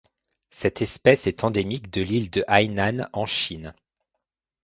Cette espèce est endémique d'île de Hainan en Chine.